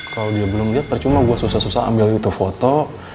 kalo dia belum liat percuma gue susah susah ambil itu foto